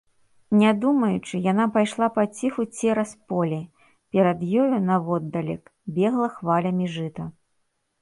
Не думаючы, яна пайшла паціху цераз поле, перад ёю, наводдалек, бегла хвалямі жыта.